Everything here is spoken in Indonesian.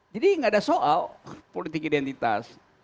jadi tidak ada soal politik identitas